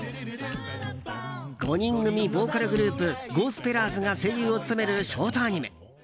５人組ボーカルグループゴスペラーズが声優を務めるショートアニメ。